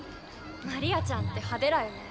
マリアちゃんって派手らよね。